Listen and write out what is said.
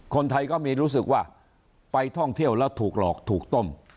คนไทยก็มีรู้สึกว่าไปท่องเที่ยวแล้วถูกหลอกถูกต้ม